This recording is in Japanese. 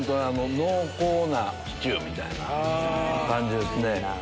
濃厚なシチューみたいな感じですね。